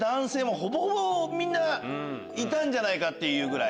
ほぼみんないたんじゃないかっていう。